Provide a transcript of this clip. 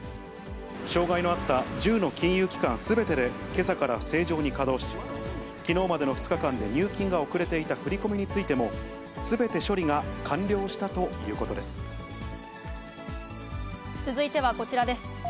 障害のあった１０の金融機関すべてで、けさから正常に稼働し、きのうまでの２日間で、入金が遅れていた振り込みについても、すべて処理が完了したとい続いてはこちらです。